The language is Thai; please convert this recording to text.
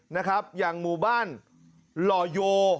นะครับอย่างหมู่บ้านหล่อโย